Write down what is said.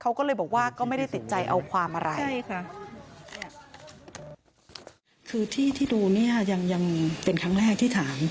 เค้าก็เลยบอกว่าก็ไม่ได้ติดใจเอาความอะไร